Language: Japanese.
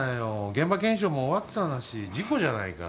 現場検証も終わってたんだし事故じゃないか。